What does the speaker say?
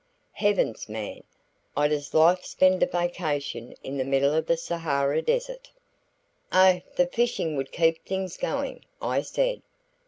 "Heavens, man! I'd as lief spend a vacation in the middle of the Sahara Desert." "Oh, the fishing would keep things going," I said.